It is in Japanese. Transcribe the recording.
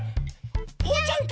おうちゃん